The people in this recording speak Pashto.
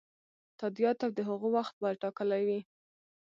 تادیات او د هغو وخت باید ټاکلی وي.